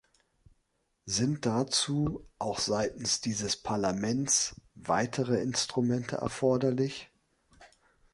Sind dazu, auch seitens dieses Parlaments, weitere Instrumente erforderlich?